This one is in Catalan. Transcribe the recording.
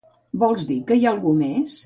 Vols dir que hi ha algú més?